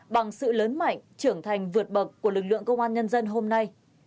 bằng sự lớn mạnh trưởng thành vượt bậc của lực lượng công an nhân dân hôm nay